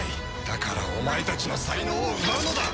だからお前たちの才能を奪うのだ！